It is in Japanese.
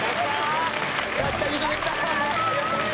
やったー！